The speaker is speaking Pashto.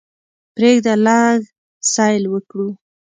پریږده لږ سیل وکړو.